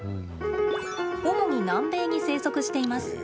主に南米に生息しています。